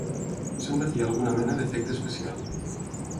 Sembla que hi ha alguna mena d'efecte especial.